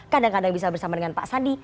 kadang kadang bisa bersama dengan pak sandi